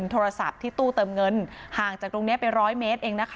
โทรศัพท์ที่ตู้เติมเงินห่างจากตรงนี้ไปร้อยเมตรเองนะคะ